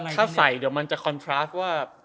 ถ้าใส่เดี๋ยวมันจะคอนทราฟว่า